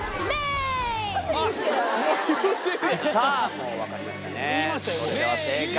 もう分かりましたね？